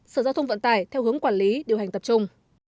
sở giao thông vận tải theo hướng quản lý điều hành tập trung